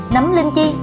nấm linh chi